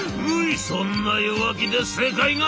「そんな弱気で世界が獲れるか！」。